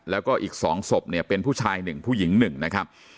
แล้วก็อีก๒ศพเนี่ยเป็นผู้ชาย๑ผู้หญิง๑นะครับ